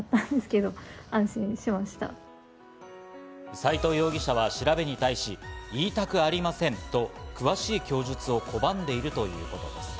斎藤容疑者は調べに対し、言いたくありませんと詳しい供述を拒んでいるということです。